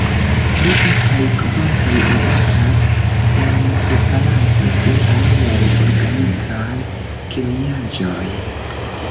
Pli etaj kvantoj uzatas en preparado de aliaj organikaj kemiaĵoj.